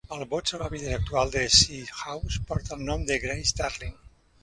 El bot salvavides actual de Seahouses porta el nom de "Grace Darling".